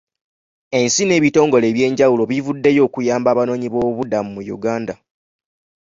Ensi n'ebitongole eby'enjawulo bivuddeyo okuyamba Abanoonyi b'obubudamu mu Uganda.